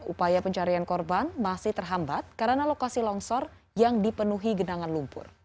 upaya pencarian korban masih terhambat karena lokasi longsor yang dipenuhi genangan lumpur